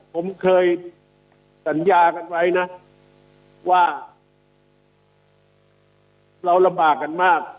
ผมเคยสัญญากันไว้นะว่าเราลำบากกันมาก